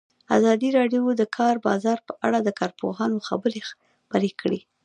ازادي راډیو د د کار بازار په اړه د کارپوهانو خبرې خپرې کړي.